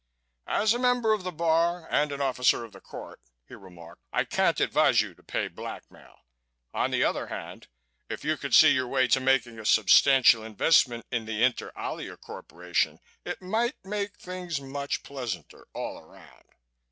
"As a member of the Bar and an officer of the court," he remarked, "I can't advise you to pay blackmail. On the other hand, if you could see your way to making a substantial investment in the Inter Alia Corporation, it might make things much pleasanter all around."